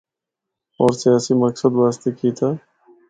ہور سیاسی مقصد واسطے کیتا۔